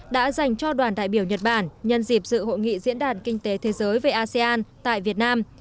đã dành cho đoàn đại biểu nhật bản nhân dịp dự hội nghị diễn đàn kinh tế thế giới về asean tại việt nam